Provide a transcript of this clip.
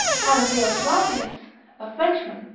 And Leo Suavius, a Frenchman, c.